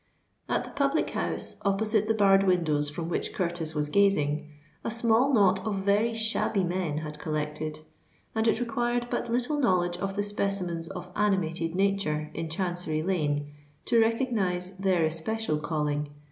At the public house, opposite the barred window from which Curtis was gazing, a small knot of very shabby men had collected; and it required but little knowledge of the specimens of animated nature in Chancery Lane, to recognise their especial calling.